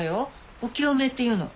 お清めっていうの。